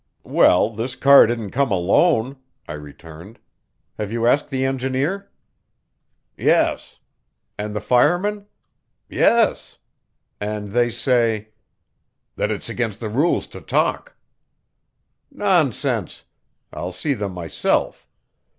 "Well, this car didn't come alone," I returned. "Have you asked the engineer?" "Yes." "And the fireman?" "Yes." "And they say " "That it's against the rules to talk." "Nonsense; I'll see them myself."